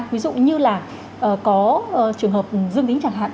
ví dụ như là có trường hợp dương tính chẳng hạn